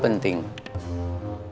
menundang bottom up